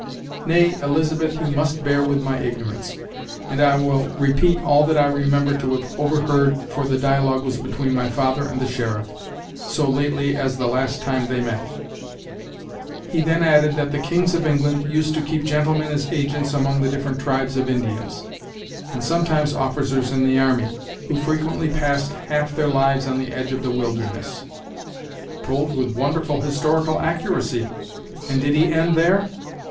"Nay, Elizabeth, you must bear with my ignorance, and I will repeat all that I remember to have overheard for the dialogue was between my father and the sheriff, so lately as the last time they met, He then added that the kings of England used to keep gentlemen as agents among the different tribes of Indians, and sometimes officers in the army, who frequently passed half their lives on the edge of the wilderness." "Told with wonderful historical accuracy! And did he end there?"